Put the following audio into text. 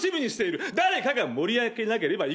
誰かが盛り上げなければいけない。